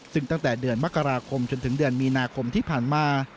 ซึ่งตั้งแต่เดือนมกราคมจนถึงเดือนมีนาคมที่ผ่านมา